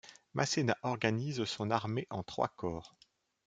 Masséna organise son armée en trois corps.